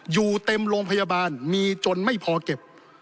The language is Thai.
อยู่เต็มโรงพยาบาลมีจนไม่พอเก็บ